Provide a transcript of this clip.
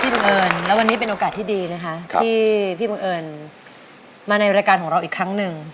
บังเอิญแล้ววันนี้เป็นโอกาสที่ดีนะคะที่พี่บังเอิญมาในรายการของเราอีกครั้งหนึ่ง